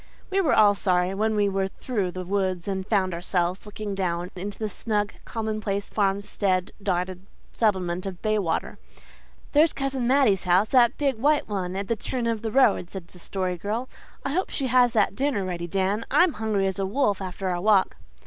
We were all sorry when we were through the woods and found ourselves looking down into the snug, commonplace, farmstead dotted settlement of Baywater. "There's Cousin Mattie's house that big white one at the turn of the road," said the Story Girl. "I hope she has that dinner ready, Dan. I'm hungry as a wolf after our walk."